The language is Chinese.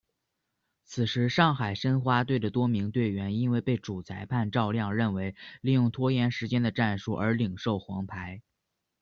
此时上海申花队的多名队员因为被主裁判赵亮认为利用拖延时间的战术而领受黄牌。